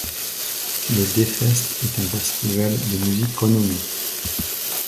Le Dfest est un festival de musique renommé.